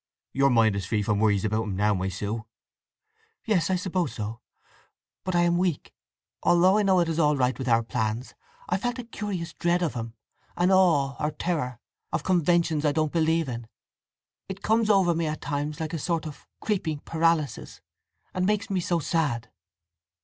Your mind is free from worries about him now, my Sue?" "Yes, I suppose so. But I am weak. Although I know it is all right with our plans, I felt a curious dread of him; an awe, or terror, of conventions I don't believe in. It comes over me at times like a sort of creeping paralysis, and makes me so sad!"